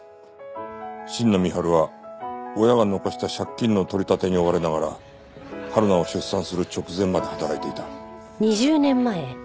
新野美春は親が残した借金の取り立てに追われながらはるなを出産する直前まで働いていた。